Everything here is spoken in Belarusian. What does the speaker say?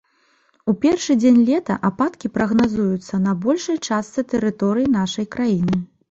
У першы дзень лета ападкі прагназуюцца на большай частцы тэрыторыі нашай краіны.